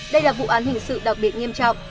đây là vụ án hình sự đặc biệt nghiêm trọng